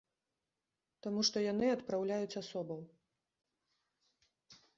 Таму што яны адпраўляюць асобаў.